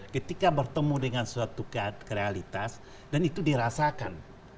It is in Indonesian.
ketika bertemu dengan suatu realitas dan itu dirasakan